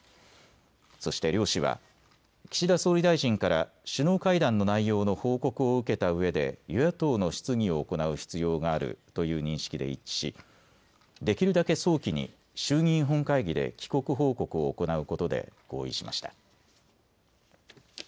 そして両氏は岸田総理大臣から首脳会談の内容の報告を受けたうえで与野党の質疑を行う必要があるという認識で一致しできるだけ早期に衆議院本会議で帰国報告を行うことで合意しました。